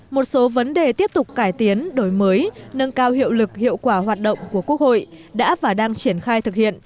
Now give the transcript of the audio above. một số vấn đề tiếp tục cải tiến đổi mới nâng cao hiệu lực hiệu quả hoạt động của quốc hội đã và đang triển khai thực hiện